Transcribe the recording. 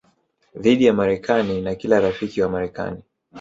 dhidi ya Marekani na kila rafiki wa Marekani